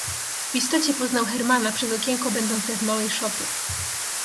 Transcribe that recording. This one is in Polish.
"W istocie poznał Hermana przez okienko będące w małej szopie."